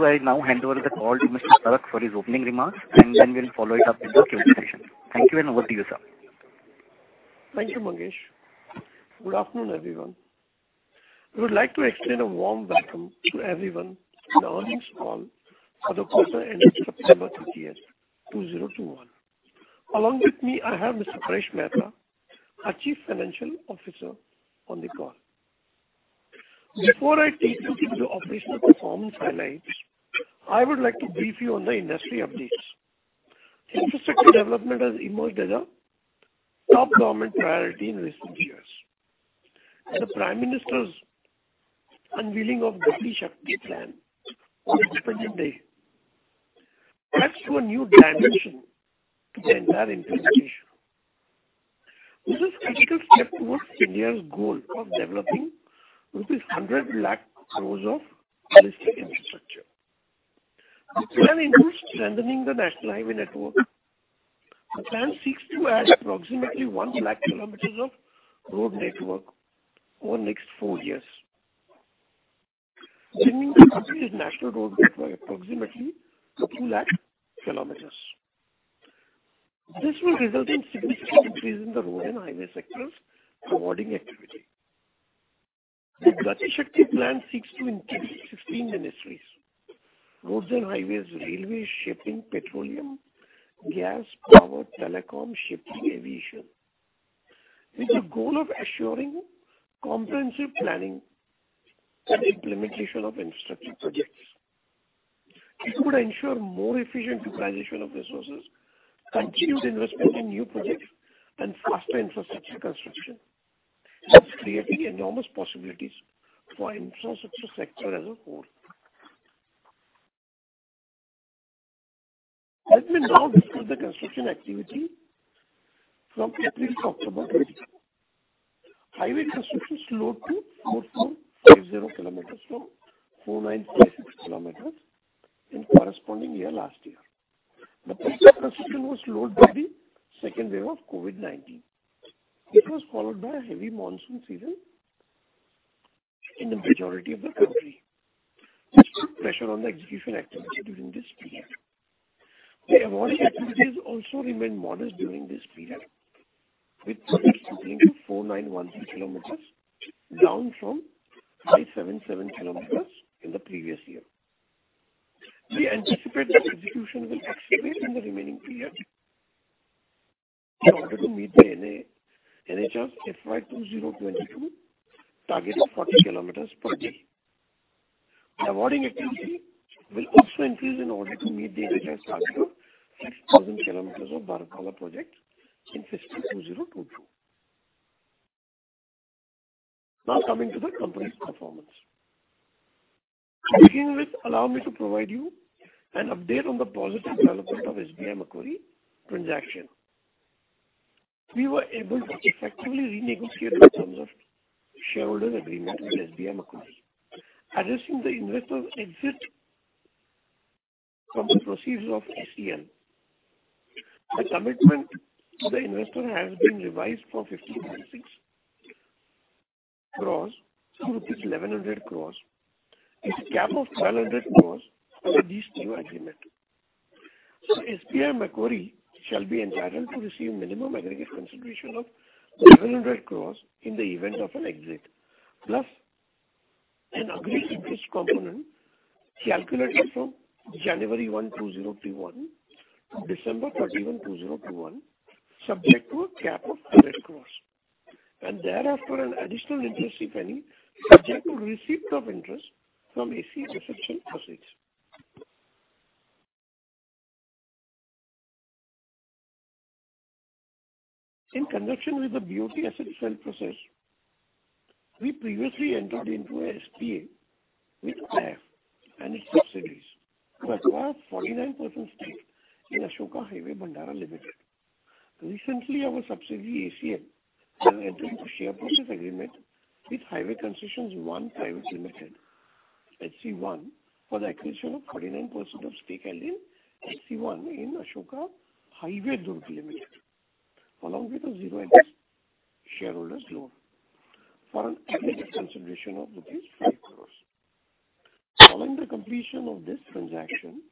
I will now hand over the call to Mr. Satish Parakh for his opening remarks, and then we'll follow it up with the Q&A session. Thank you, and over to you, sir. Thank you, Mangesh. Good afternoon, everyone. We would like to extend a warm welcome to everyone in the earnings call for the quarter ending September 30, 2021. Along with me, I have Mr. Paresh Mehta, our Chief Financial Officer, on the call. Before I take you into operational performance highlights, I would like to brief you on the industry updates. Infrastructure development has emerged as a top government priority in recent years. The Prime Minister's unveiling of GatiShakti Plan on Independence Day adds to a new dimension to the entire infrastructure. This is a critical step towards India's goal of developing with rupees 10,000,000 crore of infrastructure. The plan includes strengthening the national highway network. The plan seeks to add approximately 100,000 km of road network over the next four years, bringing the completed national road by approximately 200,000 km. This will result in significant increase in the road and highway sector's awarding activity. The GatiShakti Plan seeks to include sixteen ministries: Roads and Highways, Railways, Shipping, Petroleum, Gas, Power, Telecom, Shipping, Aviation, with the goal of assuring comprehensive planning and implementation of infrastructure projects. It would ensure more efficient utilization of resources, continued investment in new projects, and faster infrastructure construction, thus creating enormous possibilities for infrastructure sector as a whole. Let me now discuss the construction activity from April to October. Highway construction slowed to 4,050 km from 4,936 km in corresponding year last year. The project construction was slowed by the second wave of COVID-19, which was followed by a heavy monsoon season in the majority of the country, putting pressure on the execution activity during this period. The award activities also remained modest during this period, with projects completing 4,910 km, down from 577 km in the previous year. We anticipate that execution will accelerate in the remaining period in order to meet the NHAI's FY 2022 target of 40 km per day. The awarding activity will also increase in order to meet the NHAI's target of 6,000 km of Bharatmala projects in fiscal 2022. Now, coming to the company's performance. To begin with, allow me to provide you an update on the positive development of SBI Macquarie transaction. We were able to effectively renegotiate the terms of shareholders' agreement with SBI Macquarie, addressing the investor's exit from the proceeds of ACL. The commitment to the investor has been revised from 56 crores to rupees 1,100 crores, with a cap of 1,200 crores under this new agreement. So SBI Macquarie shall be entitled to receive minimum aggregate consideration of 1,100 crores in the event of an exit, plus an agreed interest component calculated from January 1, 2021 to December 31, 2021, subject to a cap of INR 200 crores, and thereafter, an additional interest, if any, subject to receipt of interest from ACL reception assets. In conjunction with the BOT asset sale process, we previously entered into a SPA with IIF and its subsidiaries to acquire 49% stake in Ashoka Highway Bhandara Limited. Recently, our subsidiary, ACL, has entered into a share purchase agreement with Highway Concessions One Private Limited, HC1, for the acquisition of 49% of stake held in HC1 in Ashoka Highway Durg Limited, along with a zero interest shareholder's loan for an aggregate consideration of 5 crores. Following the completion of this transaction,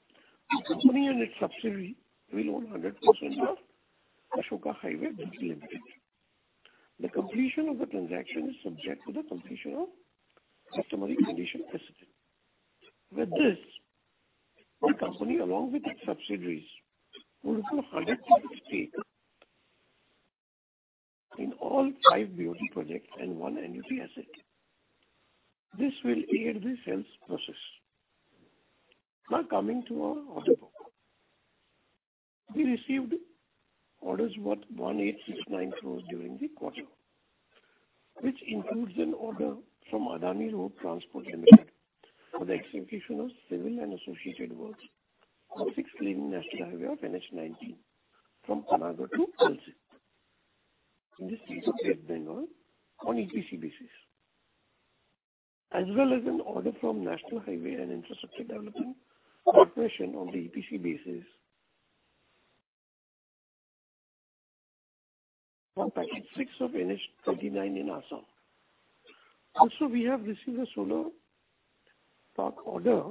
the company and its subsidiary will own 100% of Ashoka Highway Durg Limited. The completion of the transaction is subject to the completion of customary condition precedent. With this, the company, along with its subsidiaries, holds a 100% stake in all five BOT projects and one NTPC asset. This will aid the sales process. Now, coming to our order book. We received orders worth 1,869 crores during the quarter, which includes an order from Adani Road Transport Limited for the execution of civil and associated works on six-lane national highway of NH-19 from Panagarh to Palsit in the state of Bengal on EPC basis, as well as an order from National Highways and Infrastructure Development Corporation on the EPC basis from Package VI of NH-29 in Assam. Also, we have received a solar park order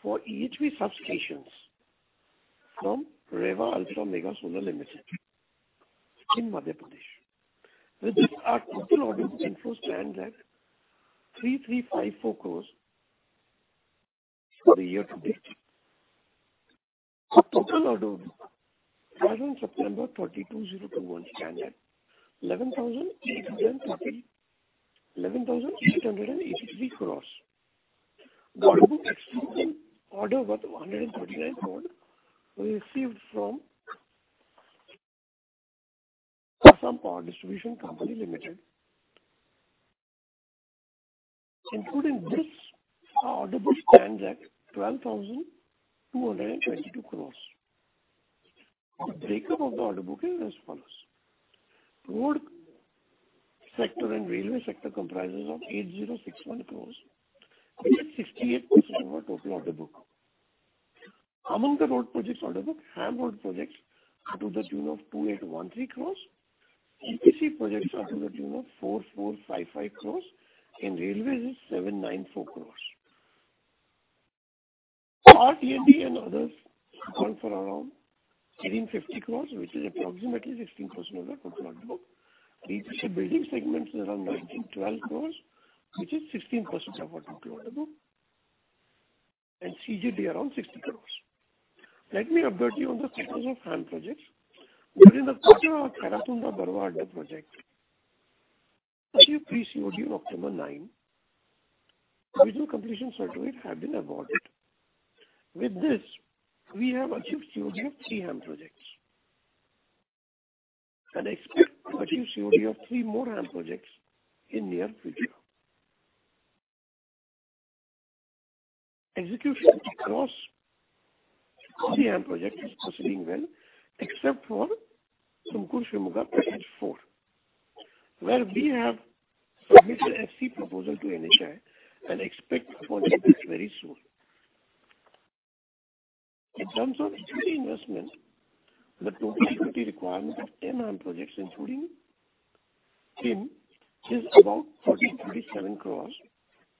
for EHV substations from Rewa Ultra Mega Solar Limited in Madhya Pradesh. With this, our total orders in force stands at 3,354 crores for the year to date. Our total order as on September 30, 2021 stands at INR 11,883 crores. The order book received an order worth INR 139 crore, we received from Assam Power Distribution Company Limited. Including this, our order book stands at 12,222 crore. The breakup of the order book is as follows: Road sector and railway sector comprises of 8,061 crore, 68% of our total order book. Among the road projects order book, HAM road projects are to the tune of 2,813 crore, EPC projects are to the tune of 4,455 crore, and railways is 794 crore. Power T&D and others account for around 1,850 crore, which is approximately 16% of the total order book. EPC building segment is around 1,912 crore, which is 16% of our total order book, and CGD around 60 crore. Let me update you on the status of HAM projects. During the quarter, Khairatunda-Barwa Adda project achieved pre-COD on October 9. Original completion certificate had been awarded. With this, we have achieved COD of three HAM projects, and expect to achieve COD of three more HAM projects in near future. Execution across the HAM project is proceeding well, except for Tumkur-Shivamogga Package IV where we have submitted FC proposal to NHAI and expect for approval very soon. In terms of equity investment, the total equity requirement of 10 HAM projects, including TSM, is about 437 crores,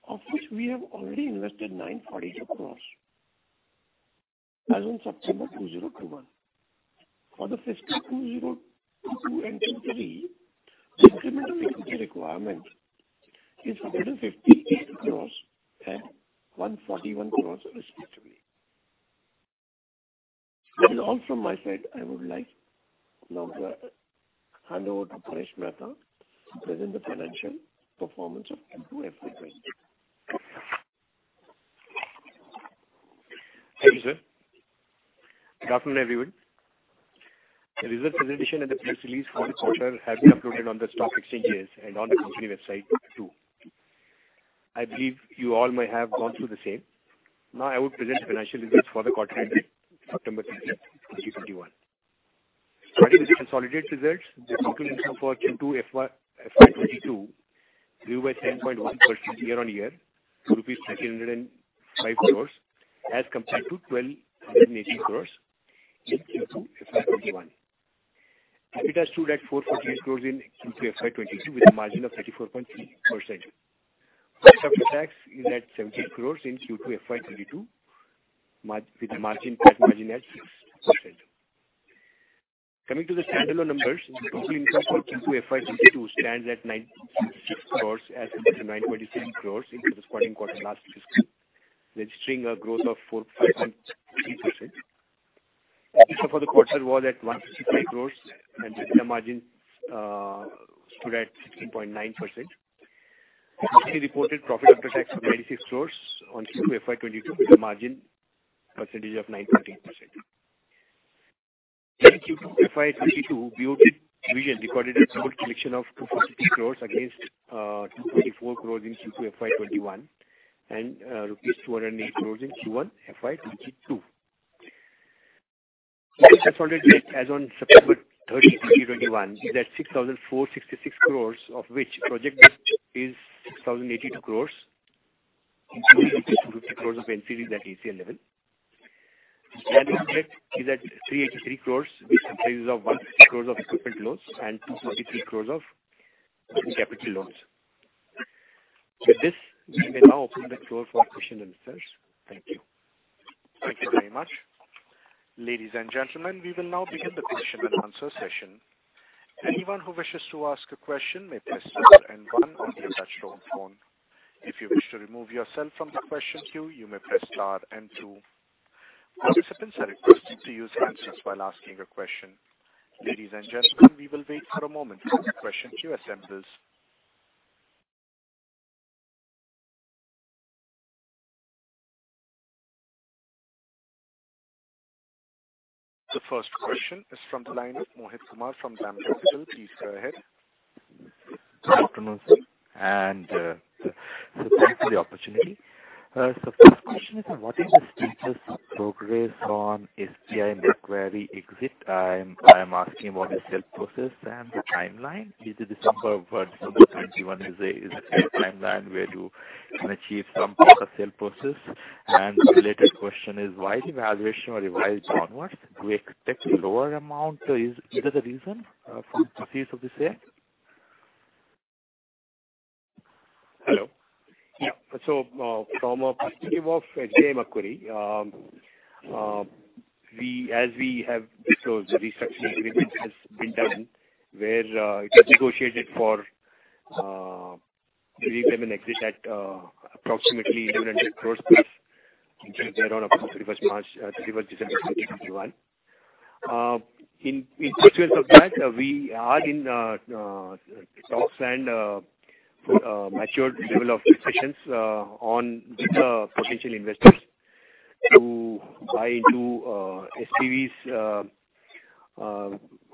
of which we have already invested 942 crores as on September 2021. For the 2022 and 2023, the incremental equity requirement is 158 crores and 141 crores, respectively. That is all from my side. I would like now to hand over to Paresh Mehta, present the financial performance of Q2 FY 2022. Thank you, sir. Good afternoon, everyone. The results presentation and the press release for the quarter have been uploaded on the stock exchanges and on the company website, too. I believe you all may have gone through the same. Now I will present the financial results for the quarter ended September 30, 2021. Starting with the consolidated results, the total income for Q2 FY 2022 grew by 10.1% year-on-year to rupees 1,305 crore as compared to 1,218 crore in Q2 FY 2021. EBITDA stood at 448 crore in Q2 FY 2022, with a margin of 34.3%. Profit after tax is at INR 17 crore in Q2 FY 2022, with a margin, gross margin at 6%. Coming to the standalone numbers, the total income for Q2 FY 2022 stands at 96 crore as compared to 97 crore in the corresponding quarter last fiscal, registering a growth of 45.3%. EBITDA for the quarter was at 165 crore, and the margin stood at 16.9%. Lastly, reported profit after tax of 96 crore on Q2 FY 2022, with a margin percentage of 9.8%. In Q2 FY 2022, BOT Division recorded a total collection of 252 crore against 244 crore in Q2 FY21, and rupees 208 crore in Q1 FY 2022. Consolidated as on September 30, 2021, is at 6,466 crore, of which project debt is 6,082 crore, including 200 crore of NCDs at ACL level. Standard debt is at 383 crores, which comprises of 150 crores of equipment loans and 233 crores of working capital loans. With this, we may now open the floor for question and answers. Thank you. Thank you very much. Ladies and gentlemen, we will now begin the question-and-answer session. Anyone who wishes to ask a question may press star and one on your touch-tone phone. If you wish to remove yourself from the question queue, you may press star and two. Participants are requested to use handsets while asking a question. Ladies and gentlemen, we will wait for a moment while the question queue assembles. The first question is from the line of Mohit Kumar from DAM Capital. Please go ahead. Good afternoon, sir, and, so thanks for the opportunity. So first question is, what is the status of progress on SBI Macquarie exit? I'm asking what is sales process, and the timeline? Is it December of December 2021 is the timeline where you can achieve some part of sale process? And the related question is: Why the valuation or revised downwards? Do we expect lower amount, or is that the reason for proceeds of the sale? So, from a perspective of SBI Macquarie, we, as we have showed, the restructuring agreement has been done, where it was negotiated for the repayment exit at approximately 1,100 crores plus interest thereon approximately March 1, December 31, 2021. In sequence of that, we are in talks and matured level of discussions on with the potential investors to buy into SPVs,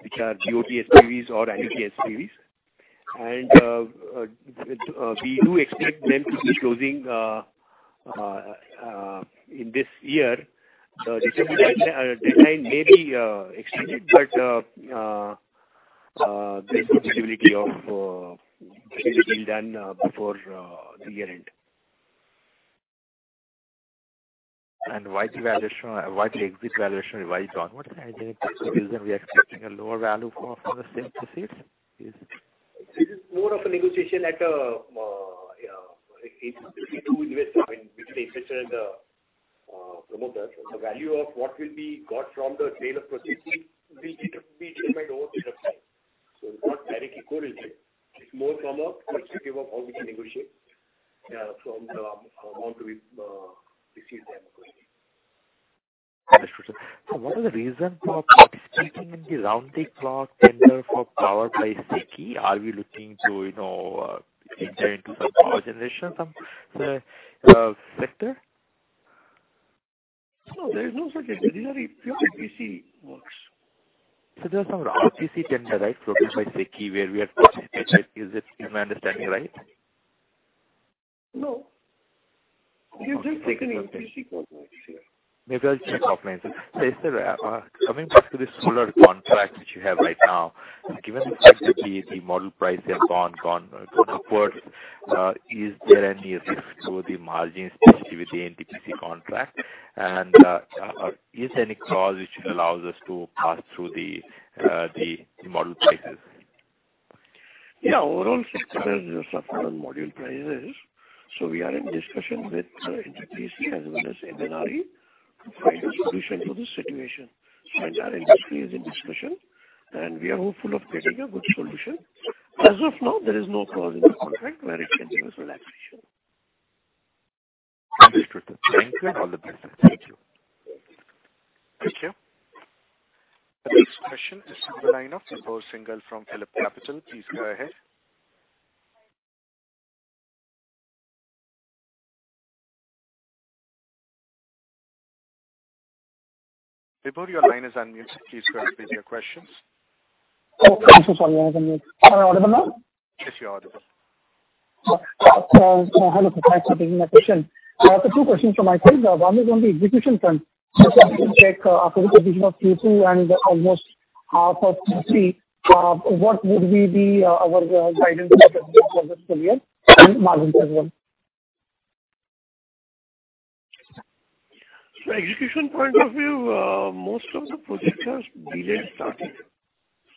which are BOT SPVs or NTPC SPVs. We do expect them to be closing in this year. The timeline may be extended, but there's possibility of it being done before the year end. Why the valuation, why the exit valuation revised downward? Is there any reason we are expecting a lower value for the same proceeds? This is more of a negotiation at a, between two investors, I mean, between the investor and the, promoters. The value of what will be got from the sale of proceeds will need to be determined over the time. So it's not directly correlated. It's more from a perspective of how we can negotiate, from the amount we receive the inquiry. Understood, sir. So what is the reason for participating in the round-the-clock tender for power by SECI? Are we looking to, you know, enter into some power generation, some sector? No, there is no such a thing. These are pure EPC works. There are some RTC tender, right, from SECI, where we are participating. Am I understanding, right? No. We've just taken an EPC contract here. Maybe I'll check my answer. So, sir, coming back to the solar contract which you have right now, given the fact that the module prices have gone upwards, is there any risk to the margin, especially with the NTPC contract? And, is there any clause which allows us to pass through the module prices? Yeah, overall sector has suffered on module prices, so we are in discussion with NTPC, as well as MNRE, to find a solution to this situation. Our industry is in discussion, and we are hopeful of getting a good solution. As of now, there is no clause in the contract where it can give us relaxation. Understood, sir. Thank you, and all the best, sir. Thank you. Thank you. The next question is on the line of Vibhor Singhal from PhillipCapital. Please go ahead. Vibhor, your line is unmuted. Please go ahead with your questions. Oh, thank you so much. Am I audible now? Yes, you are audible. So, hello, thanks for taking my question. So two questions from my side. One is on the execution front. Just wanted to check, after the division of Q2 and almost half of Q3, what would be the our guidance for this full year and margin as well? So execution point of view, most of the projects have barely started.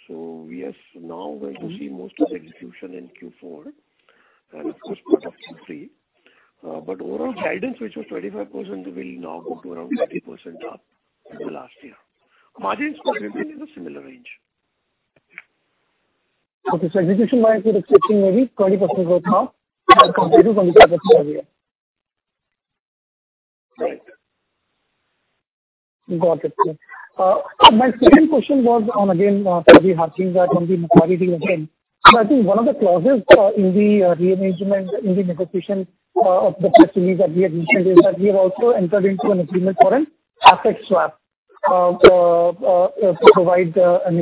So we are now going to see most of the execution in Q4, and of course, part of Q3. But overall guidance, which was 25%, will now go to around 30% up from the last year. Margins will remain in a similar range. Okay. So execution-wise, we're expecting maybe 20% growth half, compared to from the previous year. Right. Got it. My second question was on, again, probably harping that on the majority again. But I think one of the clauses in the rearrangement, in the negotiation, of the facilities that we had mentioned, is that we have also entered into an agreement for an asset swap, to provide an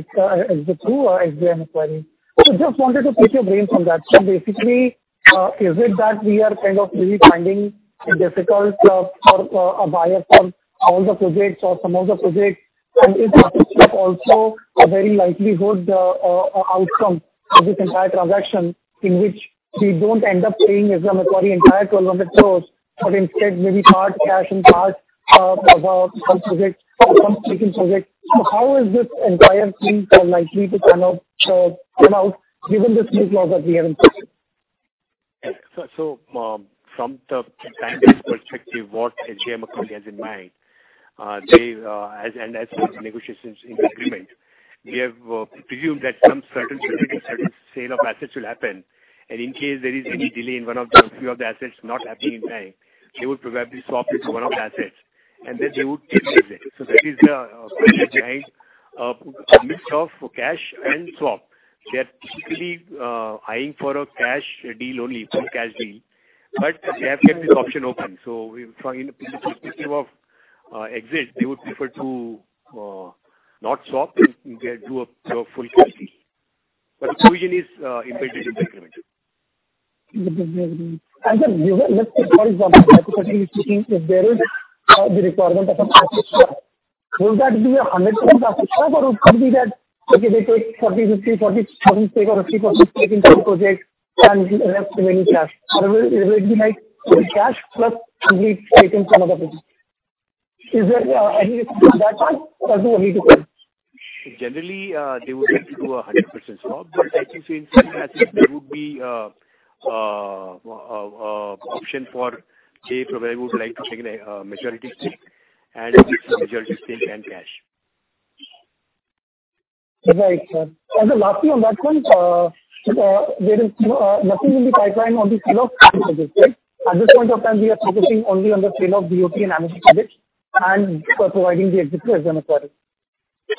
exit through SBI Macquarie. So just wanted to pick your brain from that. So basically, is it that we are kind of really finding it difficult for a buyer from all the projects or some of the projects, and is asset swap also a very likelihood outcome of this entire transaction, in which we don't end up paying SBI Macquarie entire 1,200 crore, but instead maybe part cash and part some projects, some taken projects. How is this entire thing likely to kind of come out, given this new clause that we have in place? So, from the bank's perspective, what SBI Macquarie has in mind, they, as negotiations in the agreement, we have presumed that some certain sale of assets will happen. And in case there is any delay in one of the few of the assets not happening in time, they would probably swap into one of the assets, and then they would take the exit. So that is the mix of cash and swap. They are typically eyeing for a cash deal only, full cash deal, but they have kept this option open. So in perspective of exit, they would prefer to not swap and get, do a full cash deal. But the provision is embedded in the agreement. And then, let's say, for example, hypothetically speaking, if there is the requirement of a cash swap, will that be a 100% asset swap, or it could be that, okay, they take 40, 50, 47, or 50 project and the rest remaining cash? Or will it be like full cash plus some items from other projects? Is there any response to that one or do we need to call? Generally, they would like to do a 100% swap, but like you said, I think there would be option for they would like to take a majority stake, and it's a majority stake and cash. Right, sir. And then lastly, on that one, there is, you know, nothing in the pipeline on the sell-off projects, right? At this point of time, we are focusing only on the sell-off BOT and HAM projects and for providing the exit as and when required.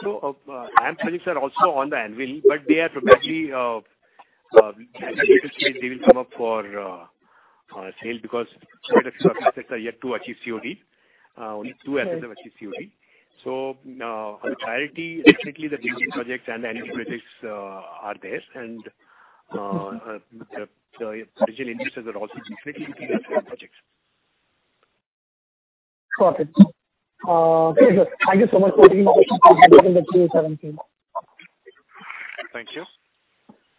So, HAM projects are also on the anvil, but they are probably, they will come up for sale because quite a few assets are yet to achieve COD. Only two assets have achieved COD. So, our priority, definitely the BOT projects and the HAM projects, are there and, the original investors are also interested in the projects. Perfect. Okay, sir. Thank you so much for taking the questions from the Q&A. Thank you.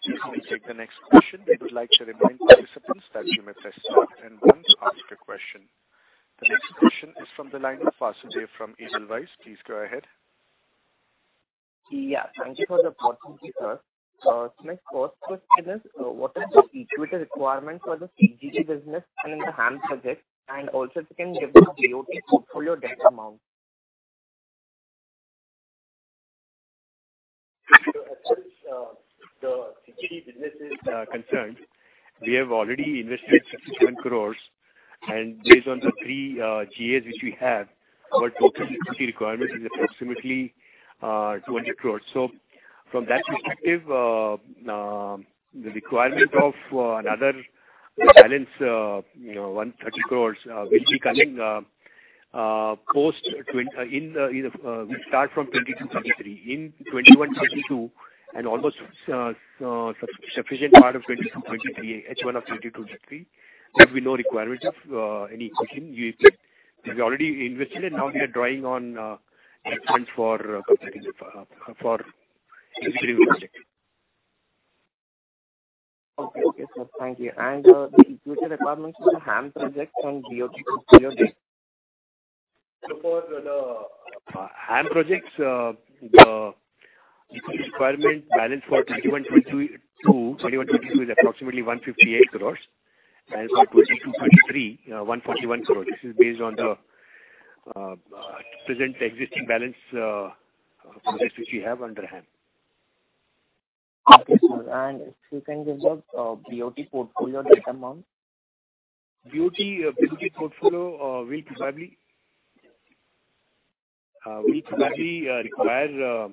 We'll now take the next question. We would like to remind participants that you may press star then one to ask a question. The next question is from the line of Vasudev from Edelweiss. Please go ahead. Yeah, thank you for the opportunity, sir. My first question is, what is the equity requirement for the CGD business and in the HAM projects, and also if you can give the BOT portfolio debt amount? As the CGD business is concerned, we have already invested 67 crore, and based on the three GAs which we have, our total equity requirement is approximately 20 crore. So from that perspective, the requirement of another balance, you know, 130 crore will be coming post 2022-2023. In 2021-2022, and almost sufficient part of 2022-2023, H1 of 2022-2023, there'll be no requirement of any equity. We've already invested, and now we are drawing on expense for the CGD project. Okay. Okay, sir. Thank you. And, the equity requirements for the HAM projects on BOT portfolio date? For the HAM projects, the equity requirement balance for 2021-22 is approximately 158 crores, and for 2022-23, 141 crores. This is based on the present existing balance projects which we have under HAM. Okay, sir, if you can give the BOT portfolio debt amount. BOT portfolio will probably require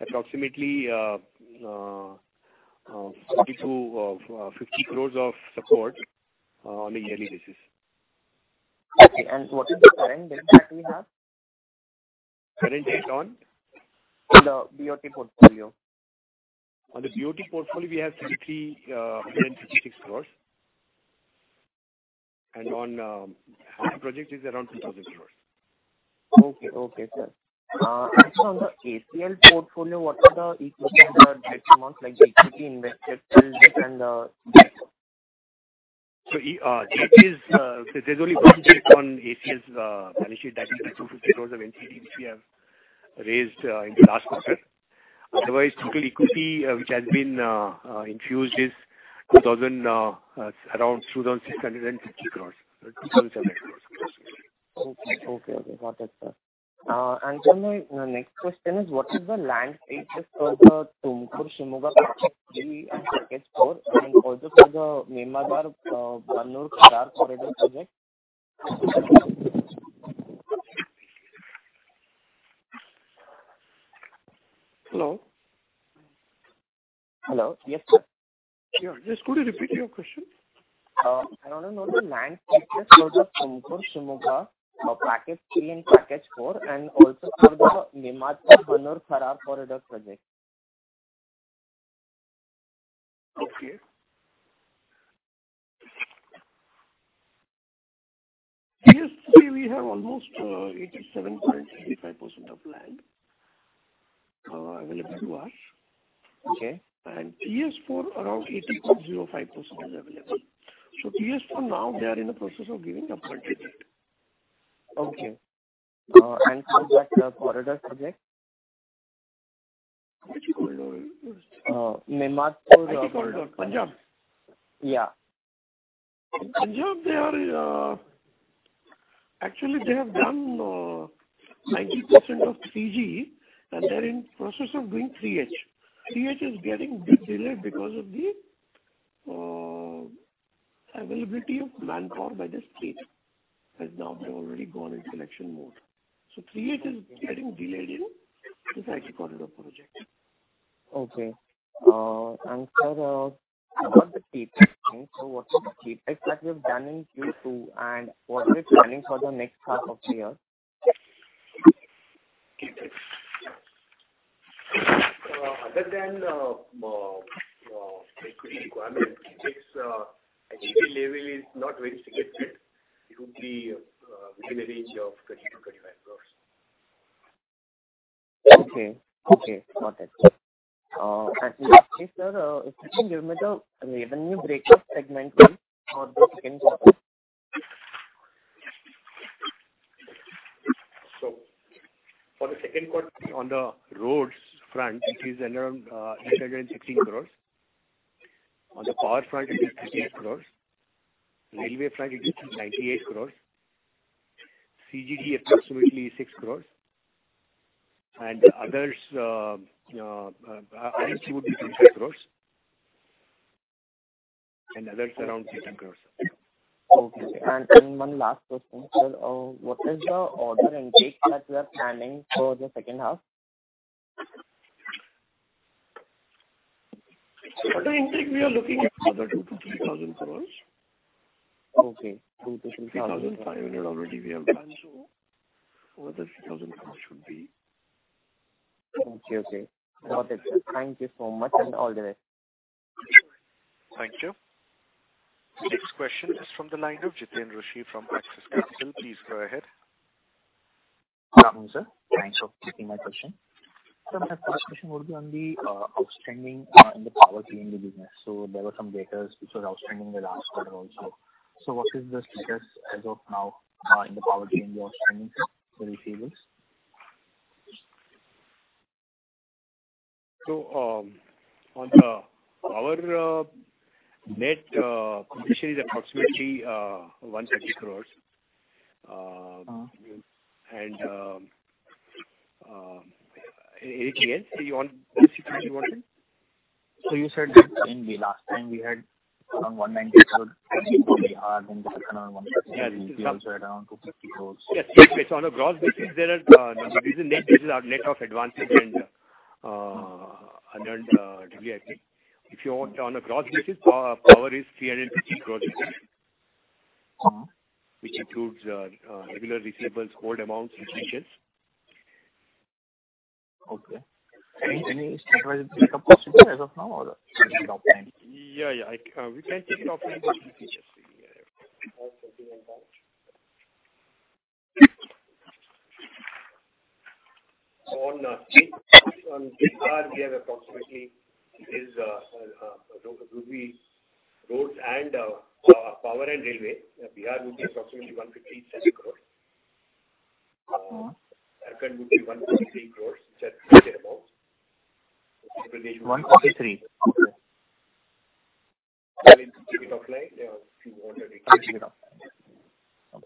approximately 40 crores-50 crores of support on a yearly basis. Okay, and what is the current debt that we have? Current debt on? The BOT portfolio. On the BOT portfolio, we have 3,356 crore. And on the HAM project is around 2,000 crore. Okay. Okay, sir. And on the ACL portfolio, what are the equity, the debt amounts, like the equity invested and debt? Debt is, there's only one debt on ACL's balance sheet. That is the 250 crores of NCD which we have raised in the last quarter. Otherwise, total equity which has been infused is 2,000, around 2,650 crores. 2,007 crores, approximately. Okay. Okay, okay. Got it, sir. And then my next question is: What is the land stages for the Tumkur-Shivamogga Package III and Package IV, and also for the Memmadpur-Banur-Kharar project? Hello? Hello. Yes, sir. Yeah. Just could you repeat your question? I want to know the land stages for the Tumkur-Shivamogga Package III and Package IV, and also for the Memmadpur-Banur-Kharar project. Okay. PS3, we have almost 87.85% of land available to us. Okay. PS4, around 80.05% is available. PS4 now, they are in the process of giving appointment. Okay. And for that, corridor project? Which corridor? Memmadpur corridor. Punjab. Yeah. Punjab, they are. Actually, they have done 90% of 3G, and they're in process of doing 3H. 3H is getting bit delayed because of the availability of manpower by the state, as now they've already gone in election mode. So 3H is getting delayed in this IC corridor project. Okay. For the KPIs, so what are the KPIs that you've done in Q2, and what are you planning for the next half of the year? Other than equity requirement, KPIs at GB level is not very significant. It would be within a range of 30 crores-35 crores. Okay, okay, got it. Actually, sir, if you can give me the revenue breakup segment for the second quarter? So for the second quarter, on the roads front, it is around 816 crores. On the power front, it is 58 crores. Railway front, it is 98 crores. CGD, approximately 6 crores. And others, I include the crores and others around INR 30 crores. Okay. One last question, sir. What is the order intake that you are planning for the second half? Order intake, we are looking at another 2,000-3,000 crore. Okay, 2,000- 3,000. 3,500 already we have done. So the 3,000 crore should be. Okay, okay. Got it, sir. Thank you so much, and all the best. Thank you. Next question is from the line of Jiten Rushi from Axis Capital. Please go ahead. Good morning, sir. Thanks for taking my question. Sir, my first question would be on the outstanding in the power transmission business. So there were some debt which was outstanding the last quarter also. So what is the status as of now in the power transmission outstanding, sir, for the receivables? So, on our net position is approximately INR 130 crore. Anything else you want, specifically you wanted? So you said that in the last time we had around 190 crores, and the second one was also around 250 crores. Yes, yes. So on a gross basis, this is our net of advances and earned degree, I think. If you want on a gross basis, power is 350 crores. Which includes regular receivables, hold amounts and pensions. Okay. Any surprise pickup as of now or it's still outstanding? Yeah, yeah. I, we can take it offline. Okay, thank you very much. On we have approximately 15 roads and power and railway. Bihar would be approximately INR 157 crore. Second would be INR 143 crore, which are stated above. 143? Okay. I mean, keep it offline, yeah, if you want it. I'll keep it offline. For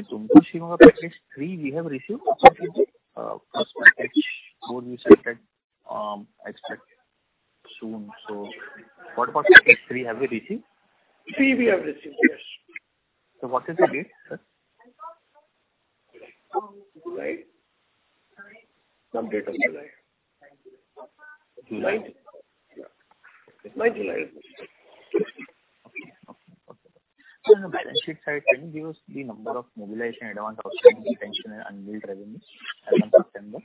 the Package III, we have received approximately first Package IV we selected, expect soon. What about Package III? Have we received? Three, we have received, yes. What is the date, sir? Right. Some date of July? July. By July. Okay, okay. So on the balance sheet side, can you give us the number of mobilization, advance, retention, and unbilled revenues as of September?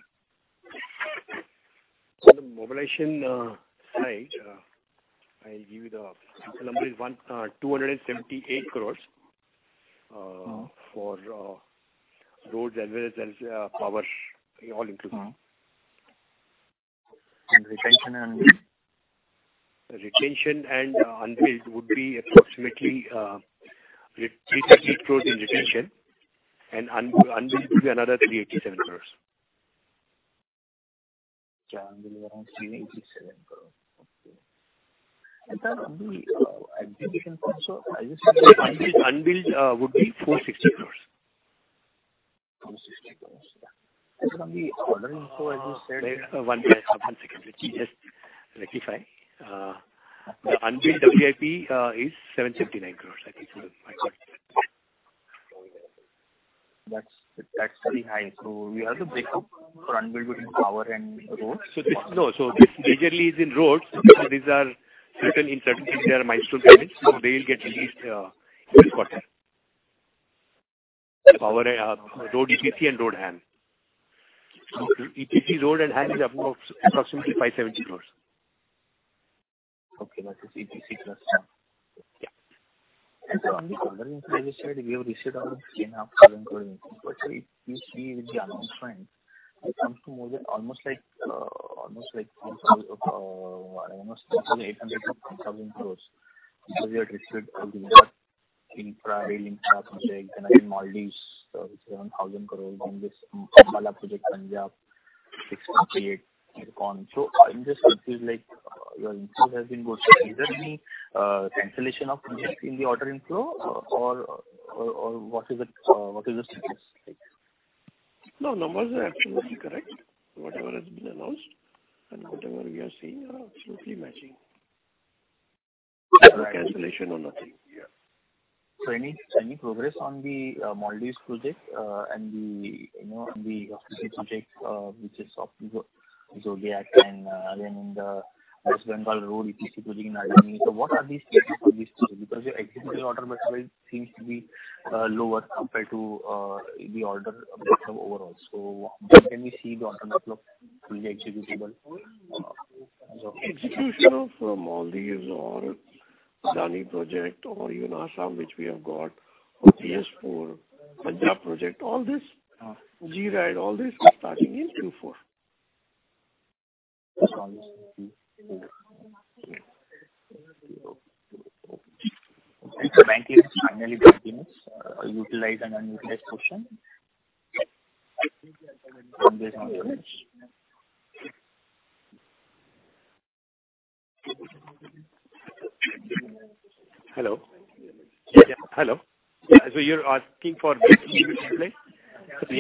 The mobilization side, I'll give you the number is 178 crores for roads as well as power, all included. And retention and unbilled? Retention and unbilled would be approximately INR 350 crores in retention, and unbilled will be another INR 387 crores. Yeah, unbilled around INR 387 crores. Okay. And, unbilled would be 460 crores. 460 crores. And from the order info, as you said- One second, let me just rectify. The unbilled WIP is INR 779 crore, I think. That's very high. So you have the breakup for unbilled between power and roads? This majorly is in roads. These are certain in their milestone payments, so they will get released this quarter. Power, road EPC and road HAM. EPC, road, and HAM is approximately 570 crores. Okay, that is EPC plus HAM. Yeah. So on the order, as you said, we have received around INR 10,500 crore. But it seems to be with the announcement, it comes to more than almost like, almost like, almost INR 800,000 crore. Because we have received infra rail infrastructure, Maldives, seven thousand crore, and this project, Punjab, sixteen hundred crore. So I'm just confused, like, your interest has been good. So is there any cancellation of project in the order inflow or what is the status like? No, numbers are absolutely correct. Whatever has been announced and whatever we are seeing are absolutely matching. No cancellation or nothing. Yeah. So any progress on the Maldives project, and you know, on the project which is of Zodiac, and again in the West Bengal road EPC project in India. So what are the stages for these two? Because your executable order book, right, seems to be lower compared to the order overall. So when can we see the order book to be executable? Execution of Maldives project or even Assam, which we have got for PS four, Punjab project, all this, G-RIDE, all this is starting in Q4. Okay. Finally, utilize and unutilized portion? Based on the image. Hello? Hello. You're asking for this display? We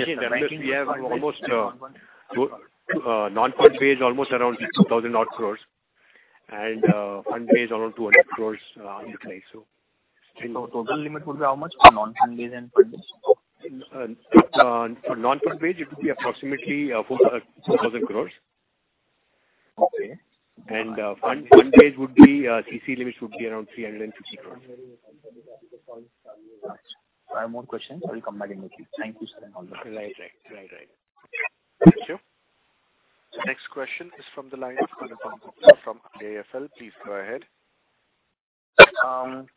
have almost non-fund-based, almost around 2,000 odd crores and fund-based around 200 crores, so. Total limit would be how much for non-fund-based and fund-based? For non-fund-based, it would be approximately 4,000 crore. Okay. Fund-based would be CC limits would be around 350 crores. I have more questions. I will come back in with you. Thank you, sir. Right. Right. Right. Right. Thank you. The next question is from the line of Anupam Gupta from IIFL. Please go ahead.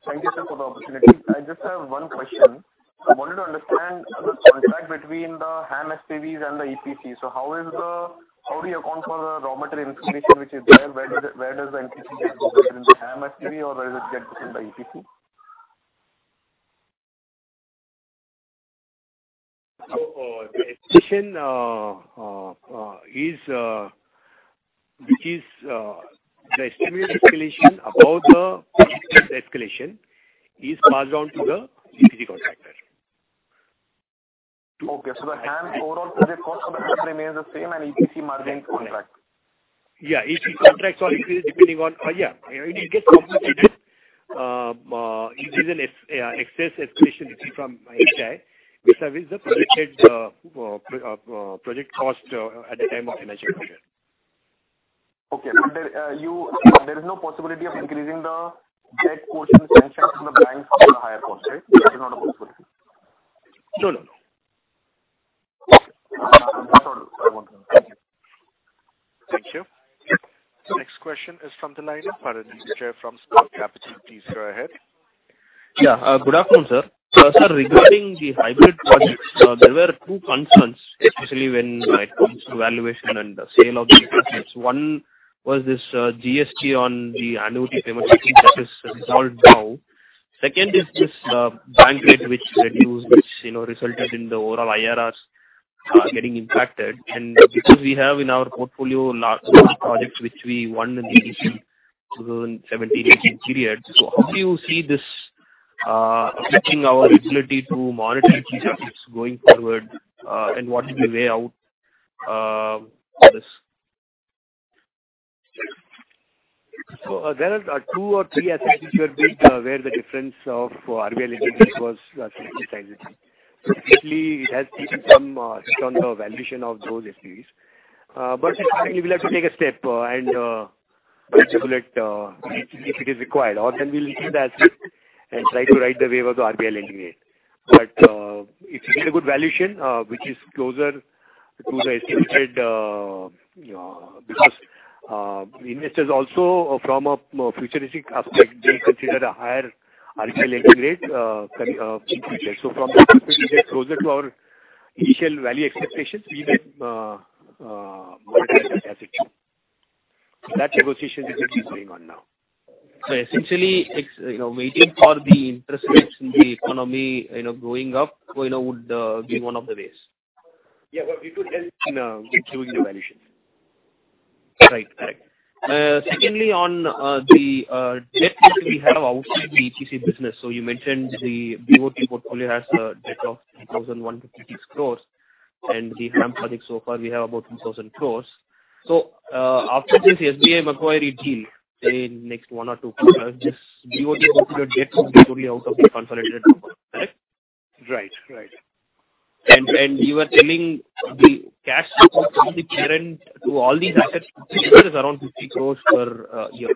Thank you, sir, for the opportunity. I just have one question. I wanted to understand the contract between the HAM SPVs and the EPC. So how do you account for the raw material inflation, which is there? Where does the EPC get the HAM SPV or does it get it from the EPC? So, the escalation, which is the estimated escalation about the escalation, is passed on to the EPC contractor. Okay. So the HAM overall, the cost remains the same and EPC margin contract. Yeah, EPC contracts are increased depending on... yeah, it gets complicated. If there's an excess escalation received from NHAI, vis-à-vis the projected project cost at the time of finishing project. Okay. But, there is no possibility of increasing the debt portion sanctioned from the bank on a higher cost, right? That is not a possibility. No, no, no. That's all I want. Thank you. Thank you. Next question is from the line of Bharani Vijay from Spark Capital. Please go ahead. Yeah. Good afternoon, sir. So, sir, regarding the hybrid projects, there were two concerns, especially when it comes to valuation and the sale of the assets. One was this, GST on the annuity payment, which is resolved now. Second is this, bank rate, which reduced, which, you know, resulted in the overall IRRs getting impacted. And because we have in our portfolio large projects which we won in the 2018 to 2017-18 period. So how do you see this affecting our ability to monitor GST going forward, and what is the way out for this? So there are two or three assets which were built where the difference of RBI lending rate was significant. So basically, it has taken some on the valuation of those SPVs. But finally, we'll have to take a step and calculate if it is required, or then we'll keep the asset and try to ride the wave of the RBI lending rate. But it's a good valuation which is closer to the estimated because investors also from a futuristic aspect, they consider a higher RBI lending rate in future. So, from that perspective, it's closer to our initial value expectations, we will monetize that asset. That negotiation is going on now. So essentially, it's, you know, waiting for the interest rates in the economy, you know, going up, you know, would be one of the ways? Yeah, but it would help in improving the valuation. Right. Right. Secondly, on the debt which we have outside the EPC business. So you mentioned the BOT portfolio has a debt of 3,156 crores, and the HAM project so far we have about 2,000 crores. So, after this SBI Macquarie deal, in next one or two quarters, this BOT portfolio debt will be fully out of the consolidated number, correct? Right. Right. You were telling the cash flow from the parent to all these assets is around 50 crore per year.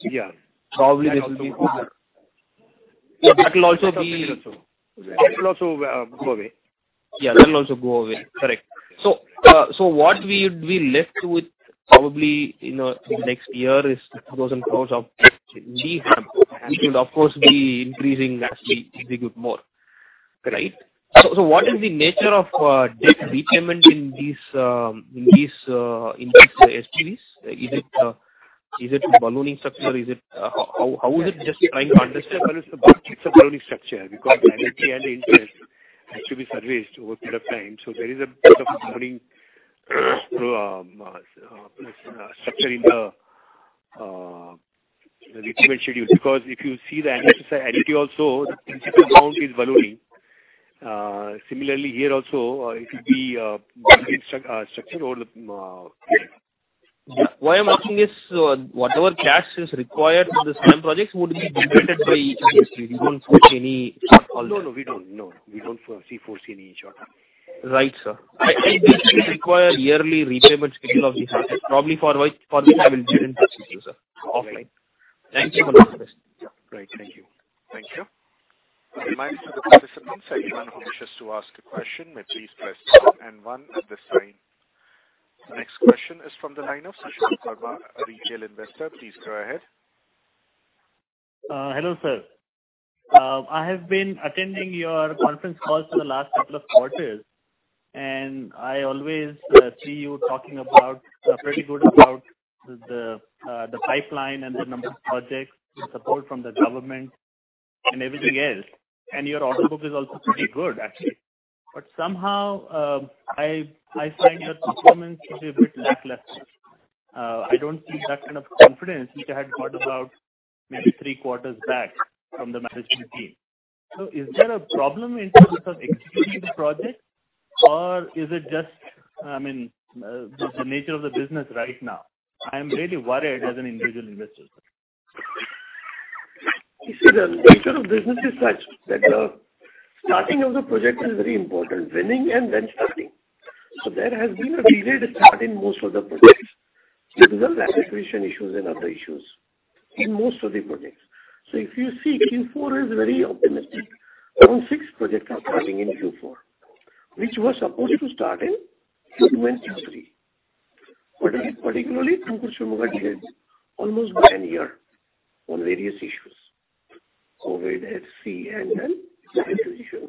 Yeah. Probably, that will be more. But that will also be- That will also go away. Yeah, that will also go away. Correct. So, what we would be left with probably, you know, in the next year is 2,000 crore of HAM, which would of course, be increasing as we execute more. Right. So, what is the nature of debt repayment in these SPVs? Is it ballooning structure, or is it? How is it? Just trying to understand? It's a ballooning structure, because the energy and the interest has to be serviced over a period of time. So there is a bit of ballooning structure in the repayment schedule, because if you see the NFC entity also, the principal amount is ballooning. Similarly, here also, it will be ballooning structure over the yeah. Why I'm asking is, whatever cash is required for the HAM projects would be generated by, we don't see any- No, we don't. No, we don't foresee any short. Right, sir. I basically require yearly repayment schedule of these assets, probably for which I will give it to you, sir. Offline. Thank you. Right. Thank you. Thank you. A reminder to the participants, anyone who wishes to ask a question, may please press star and one at the sign. The next question is from the line of Sushant Verma, a retail investor. Please go ahead. Hello, sir. I have been attending your conference calls for the last couple of quarters, and I always see you talking pretty good about the pipeline and the number of projects with support from the government and everything else. Your order book is also pretty good, actually. But somehow, I find your performance to be a bit lackluster. I don't see that kind of confidence which I had got about maybe three quarters back from the management team. So is there a problem in terms of executing the project, or is it just, I mean, the nature of the business right now? I am really worried as an individual investor. You see, the nature of business is such that the starting of the project is very important, winning and then starting. So there has been a delayed start in most of the projects, due to the land acquisition issues and other issues, in most of the projects. So if you see, Q4 is very optimistic. Around six projects are starting in Q4, which were supposed to start in Q3. Particularly, Tumkur-Shivamogga got delayed almost by a year on various issues, COVID, FC and then land acquisition.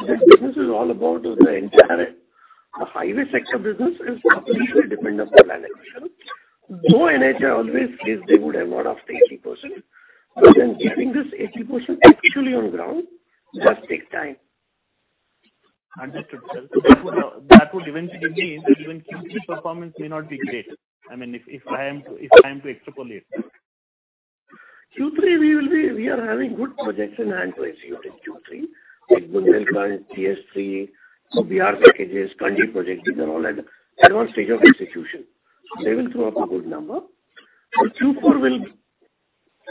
So this business is all about the entire... The highway sector business is completely dependent on land acquisition. Though NHAI always says they would award up to 80%, but then getting this 80% actually on ground does take time. Understood, sir. So that would eventually mean that even Q3 performance may not be great. I mean, if I am to extrapolate. Q3, we will be, we are having good projects in hand to execute in Q3, like Bundelkhand, TS3, two Bihar packages, Kandi project, these are all at advanced stage of execution. So they will throw up a good number. So Q4 will,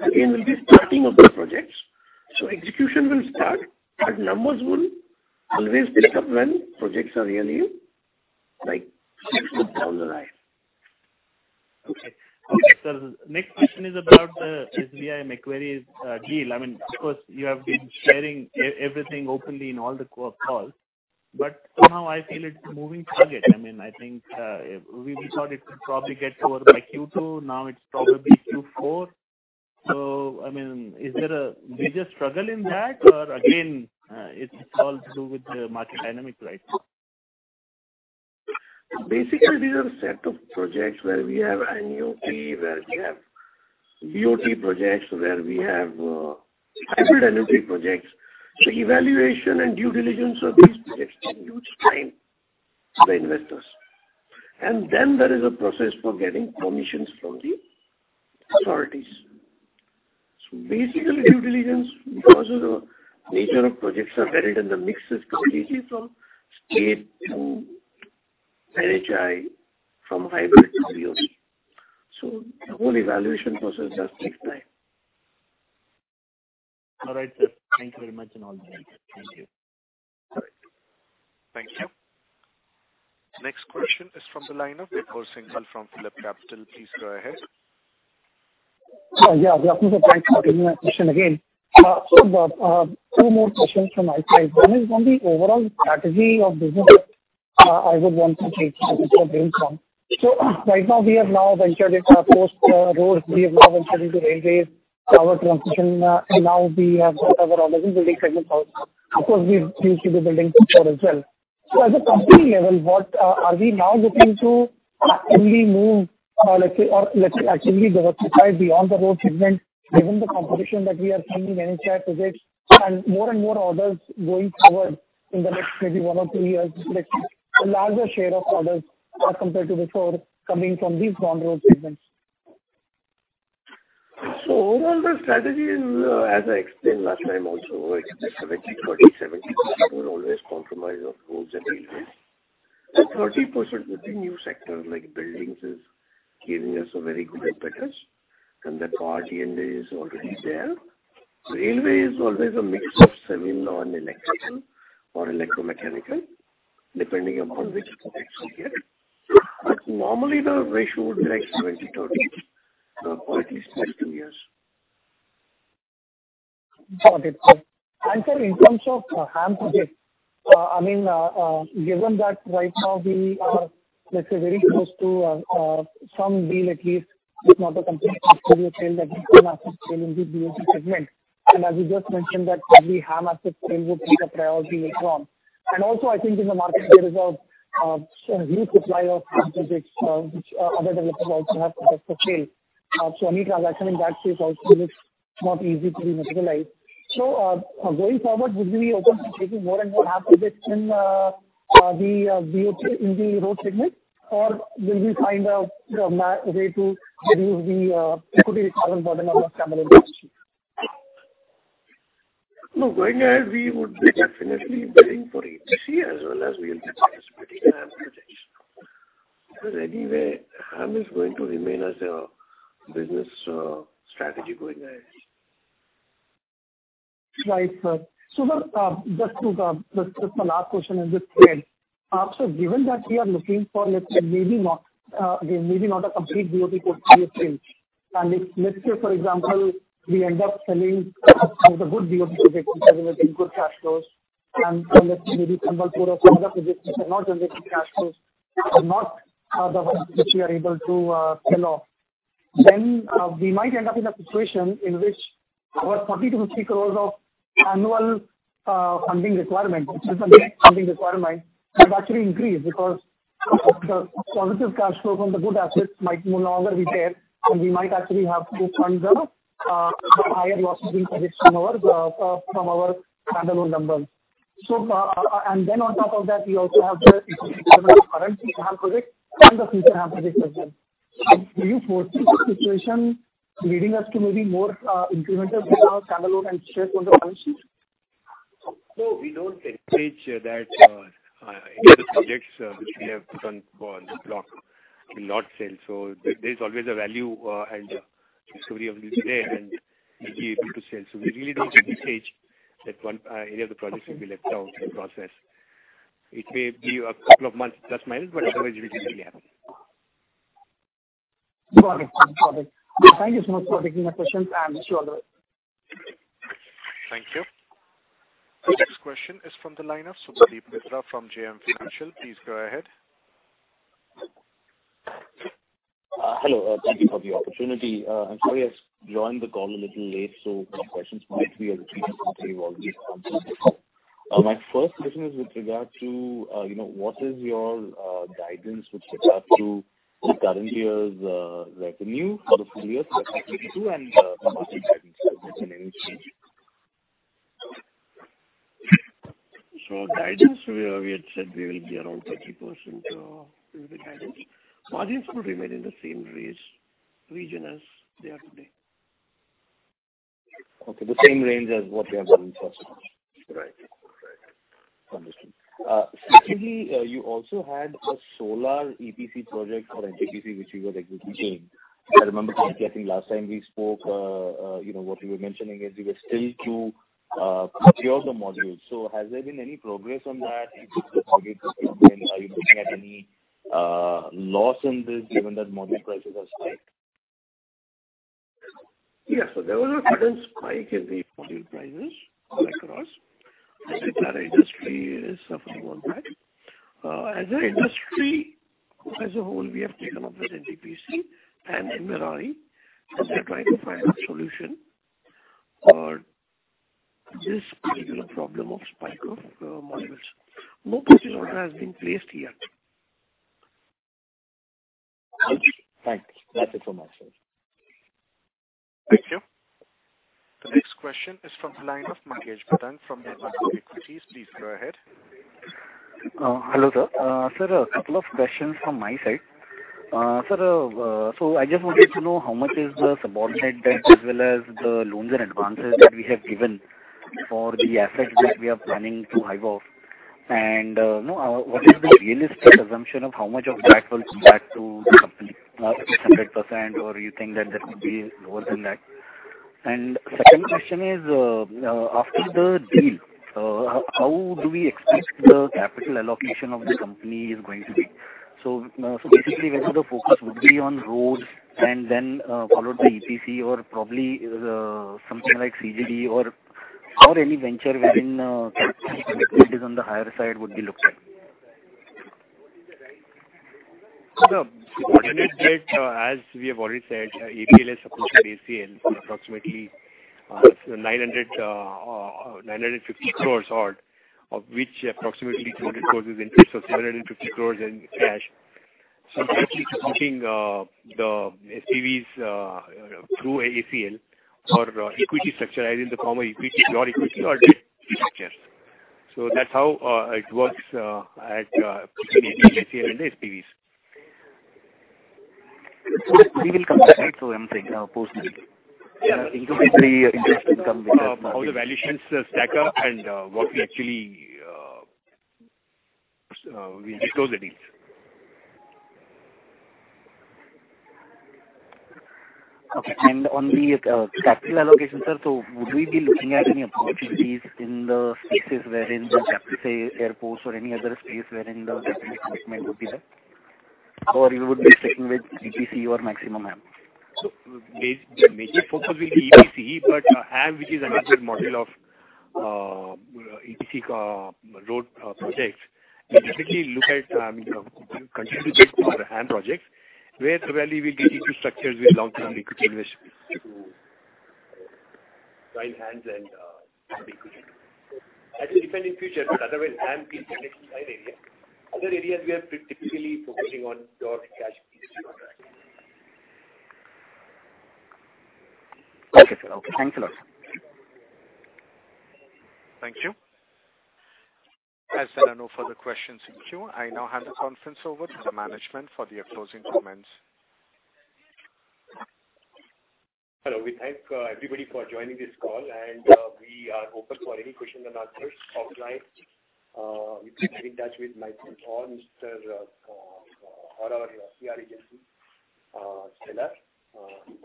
again, will be starting of the projects, so execution will start, but numbers will always pick up when projects are really, like, six months down the line. Okay. Okay, sir, next question is about the SBI Macquarie deal. I mean, of course, you have been sharing everything openly in all the core calls, but somehow I feel it's a moving target. I mean, I think we thought it could probably get over by Q2, now it's probably Q4. So, I mean, is there a bigger struggle in that, or again, it's all to do with the market dynamic right now? Basically, these are a set of projects where we have Annuity, where we have BOT projects, where we have hybrid annuity projects. So evaluation and due diligence of these projects take huge time to the investors. And then there is a process for getting permissions from the authorities. So basically, due diligence, because of the nature of projects are varied, and the mix is completely from state to NHAI, from hybrid to BOT. So the whole evaluation process does take time. All right, sir. Thank you very much and all the best. Thank you. All right. Thank you. Next question is from the line of Vibhor Singhal from PhillipCapital. Please go ahead. Yeah, good afternoon, sir. Thanks for taking my question again. So, two more questions from my side. One is on the overall strategy of business, I would want to take a little bit from. So right now, we have now ventured into beyond roads. We have now ventured into railways, power transmission, and now we have several other building segments also. Of course, we used to be building before as well. So at the company level, what are we now looking to only move, let's say, or let's say actually diversify beyond the road segment, given the competition that we are seeing in NHAI projects and more and more orders going forward in the next maybe one or two years, let's say, a larger share of orders as compared to before coming from these non-road segments? So overall, the strategy is, as I explained last time also, it's the 70/30. 70% will always compromise of roads and railways. The 30% with the new sector, like buildings, is giving us a very good impetus, and the power T&D is already there. Railway is always a mix of civil and electrical or electromechanical, depending upon which projects we get. But normally, the ratio would be like 70/30, for at least next two years. Got it, sir. And sir, in terms of HAM projects, I mean, given that right now we are, let's say, very close to some deal, at least, if not a complete sale, but some asset sale in the BOT segment. And as you just mentioned that every HAM asset sale would take a priority later on. And also, I think in the market there is a huge supply of projects, which other developers also have put up for sale. So any transaction in that space also is not easy to be materialized. So, going forward, would we be open to taking more and more HAM projects in the BOT in the road segment? Or will we find a way to reduce the equity requirement burden on our balance sheet? No, going ahead, we would be definitely bidding for EPC as well as we will be participating in HAM projects. Because anyway, HAM is going to remain as a business, strategy going ahead. Right, sir. So, just to, just my last question on this thread. So given that we are looking for, let's say, maybe not, again, maybe not a complete BOT or EPC-... And if, let's say, for example, we end up selling a good deal of projects which are making good cash flows, and let's maybe some or some other projects which are not generating cash flows are not, the ones which we are able to, sell off, then, we might end up in a situation in which our 40-50 crores of annual, funding requirement, which is a direct funding requirement, has actually increased. Because the positive cash flow from the good assets might no longer be there, and we might actually have to fund the, the higher losses in credits from our, from our standalone numbers. So, and then on top of that, we also have the current project and the future projects as well. Do you foresee this situation leading us to maybe more, incremental than our standalone and share on the balance sheet? No, we don't anticipate that any of the projects which we have put on the block will not sell. So there's always a value and discovery of this today, and we'll be able to sell. So we really don't anticipate that one any of the projects will be left out in the process. It may be a couple of months, plus minus, but otherwise it will really happen. Got it. Got it. Thank you so much for taking my questions, and wish you all the best. Thank you. The next question is from the line of Subhadip Mitra from JM Financial. Please go ahead. Hello. Thank you for the opportunity. I'm sorry I've joined the call a little late, so my questions might be a little answered. My first question is with regard to, you know, what is your guidance with regard to the current year's revenue for the full year, and commercial guidance, if there's any change? So, guidance, we had said we will be around 30%, will be guidance. Margins will remain in the same range, region as they are today. Okay. The same range as what we have done in the past. Right. Right. Understood. Secondly, you also had a solar EPC project for NTPC, which you were executing. I remember, I think last time we spoke, you know, what you were mentioning is you were still to procure the modules. So has there been any progress on that? If the project, are you looking at any loss in this, given that module prices have spiked? Yes. So there was a sudden spike in the module prices across. The entire industry is suffering on that. As an industry, as a whole, we have taken up this NTPC and Rewa, as we are trying to find a solution for this particular problem of spike of modules. No purchase order has been placed yet. Thanks. That's it from my side. Thank you. The next question is from the line of Mangesh Bhadang from Nirmal Bang Equities. Please go ahead. Hello, sir. Sir, a couple of questions from my side. Sir, so I just wanted to know how much is the subordinate debt, as well as the loans and advances that we have given for the assets that we are planning to hive off. And, you know, what is the realistic assumption of how much of that will come back to the company? Is it 100%, or you think that there could be lower than that? And second question is, after the deal, how do we expect the capital allocation of the company is going to be? So, so basically, whether the focus would be on roads and then, followed the EPC or probably, something like CGD or, or any venture within, it is on the higher side would be looked at. The subordinate debt, as we have already said, ABL supported ACL, approximately, 950 crore odd, of which approximately 200 crore is interest, so 750 crore in cash. So directly supporting, the SPVs, through ACL or equity structure, either in the form of equity, pure equity or debt structure. So that's how it works, at ACL and the SPVs. We will come to that, so I'm saying, postally. Intuitively, interest will come with that. How the valuations stack up and what we actually we'll disclose the deals. Okay. And on the capital allocation, sir, so would we be looking at any opportunities in the spaces wherein the, say, airports or any other space wherein the commitment would be there? Or you would be sticking with EPC or maximum HAM? So basically, the major focus will be EPC, but HAM, which is another model of EPC road projects. We'll definitely look at, you know, continue to look for HAM projects, where the value will get into structures with long-term equity investments to drive HAMs and equity. It will depend in future, but otherwise, HAM is the next area. Other areas we are typically focusing on pure EPCs. Okay, sir. Okay, thanks a lot, sir. Thank you. As there are no further questions in queue, I now hand the conference over to the management for the closing comments. Hello. We thank everybody for joining this call, and we are open for any questions and answers. Offline, you can get in touch with myself or Mr. or our CR agency, Stella.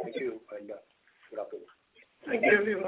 Thank you, and good afternoon. Thank you, everyone.